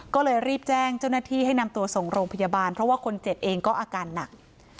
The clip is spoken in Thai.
ก็เลยรีบแจ้งเจ้าหน้าที่ให้นำตัวส่งโรงพยาบาลเพราะว่าคนเจ็บเองก็อาการหนัก